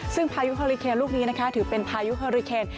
ซึ่งพายุฮอลิเคนลูกนี้นะคะถือเป็นพายุเฮอริเคน